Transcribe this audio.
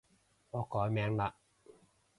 我改名嘞